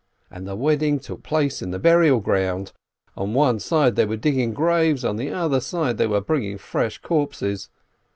And the wedding took place in the burial ground. On one side they were digging graves, on the other they were bringing fresh corpses.